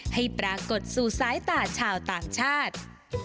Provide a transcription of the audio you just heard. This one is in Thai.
ให้ปรากฏสู่สายตาชาวต่างชาติ